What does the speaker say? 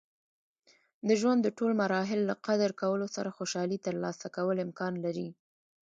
د ژوند د ټول مراحل له قدر کولو سره خوشحالي ترلاسه کول امکان لري.